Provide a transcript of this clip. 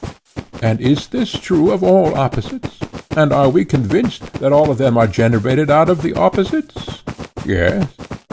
And is this true of all opposites? and are we convinced that all of them are generated out of opposites? Yes.